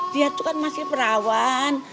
dia itu kan masih perawan